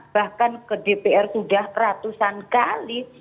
bahkan ke dpr sudah ratusan kali